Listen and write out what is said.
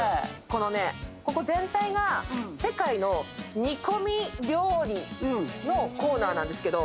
ここ全体が世界の煮込み料理のコーナーなんですけど。